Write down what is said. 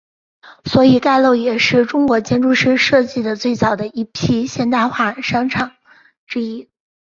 所以该楼也是中国建筑师设计的最早的一批现代化商厦之一。